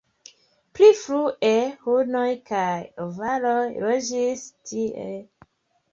Pli frue hunoj kaj avaroj loĝis tie.